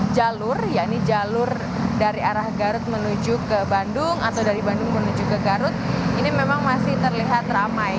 jalur yaitu jalur dari arah garut menuju ke bandung atau dari bandung menuju ke garut ini memang masih terlihat ramai